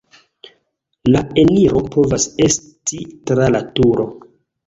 La eniro povas esti tra la turo.